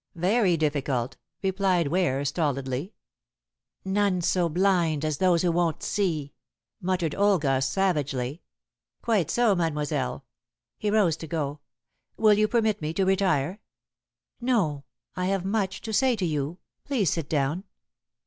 "Very difficult," replied Ware stolidly. "None so blind as those who won't see," muttered Olga savagely. "Quite so, mademoiselle." He rose to go. "Will you permit me to retire?" "No! I have much to say to you. Please sit down."